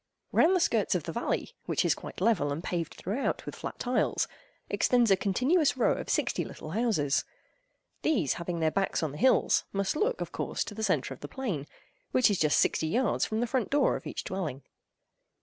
Round the skirts of the valley (which is quite level, and paved throughout with flat tiles), extends a continuous row of sixty little houses. These, having their backs on the hills, must look, of course, to the centre of the plain, which is just sixty yards from the front door of each dwelling.